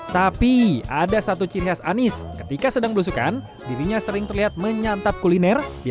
tapi ada satu ciri khas anies ketika sedang belusukan dirinya sering terlihat menyantap kuliner di